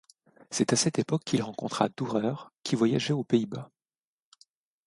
C'est à cette époque qu'il rencontra Dürer qui voyageait aux Pays-Bas.